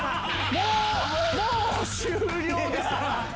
もう終了ですよ。